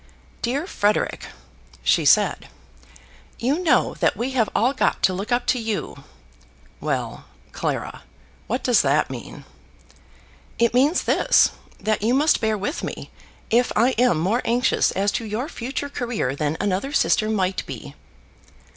"Dear Frederic," she said, "you know that we have all got to look up to you." "Well, Clara, what does that mean?" "It means this, that you must bear with me, if I am more anxious as to your future career than another sister might be."